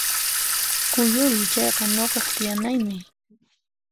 Kuyuriy! Chayqa nuqaq tiyanaymi